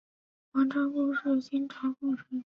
王章枯是清朝贡生。